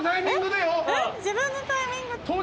自分のタイミングでよ。